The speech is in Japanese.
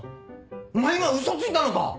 お前今嘘ついたのか？